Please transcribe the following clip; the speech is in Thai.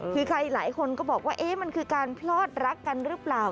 คือใครหลายคนก็บอกว่ามันคือการพลอดรักกันหรือเปล่า